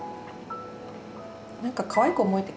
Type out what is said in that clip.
何かかわいく思えてきますね。